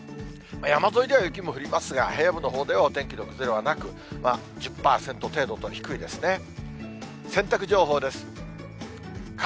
山沿いでは雪も降りますが、平野部のほうではお天気の崩れはなく、１０％程度と低いですね。